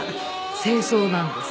正装なんです。